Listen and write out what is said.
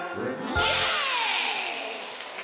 「イエイ！」